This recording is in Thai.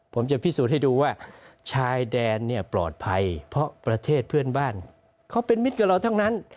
ผมจะพิสูจน์ให้ดูว่าชายแดนเนี่ยปลอดภัยเพราะประเทศเพื่อนบ้านเขาเป็นมิตรกับเราทั้งนั้น